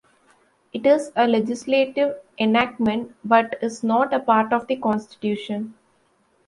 It is a legislative enactment but is not a part of the Constitution.